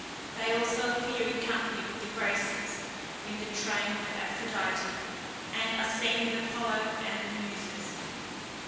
They also appear in company with the Graces in the train of Aphrodite, and are seen with Apollo and the Muses.